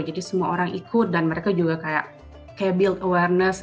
jadi semua orang ikut dan mereka juga kayak build awareness